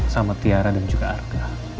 sama tiara dan juga arga